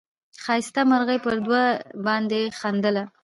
ښایسته مرغه پر دوی باندي خندله